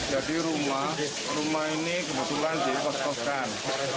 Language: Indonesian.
jadi rumah ini kebetulan dikos koskan